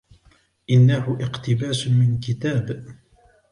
إنهُ إقتباس من كتاب.